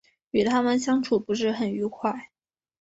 与他们相处不是很愉快